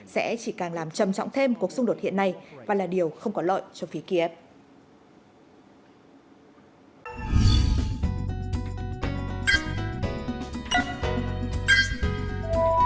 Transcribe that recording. sẽ chỉ càng làm trầm trọng thêm cuộc xung đột hiện nay và là điều không có lợi cho phía kiev